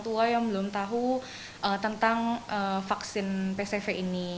tua yang belum tahu tentang vaksin pcv ini